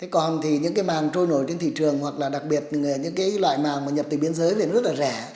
còn thì những cái màng trôi nổi trên thị trường hoặc là đặc biệt những cái loại màng mà nhập từ biên giới này rất là rẻ